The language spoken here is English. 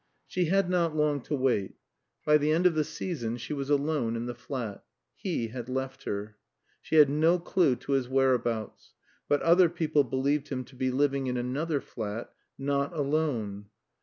She had not long to wait. By the end of the season she was alone in the flat. He had left her. She had no clue to his whereabouts; but, other people believed him to be living in another flat not alone.